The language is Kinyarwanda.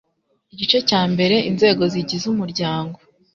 igice cya mbere inzego zigize umuryango